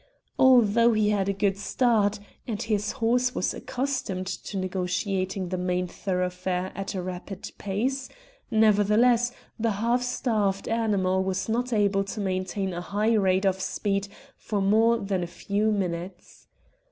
Although he had a good start, and his horse was accustomed to negotiating the main thoroughfare at a rapid pace, nevertheless the half starved animal was not able to maintain a high rate of speed for more than a few minutes.